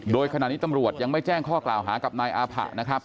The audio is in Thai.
โดยขณะนี้ตำรวจยังไม่แจ้งข้อกล่าวหากับนายอาผะนะครับ